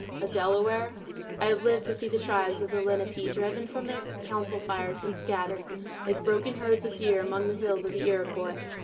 "A Delaware! I have lived to see the tribes of the Lenape driven from their council fires, and scattered, like broken herds of deer, among the hills of the Iroquois!